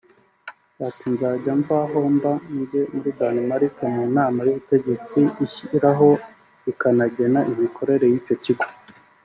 Ati «Nzajya mva aho mba njye muri Danemark mu nama y’ubutegetsi ishyiraho ikanagena imikorere y’icyo kigo